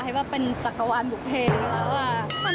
ให้เป็นจักรวาลบุกเพลย์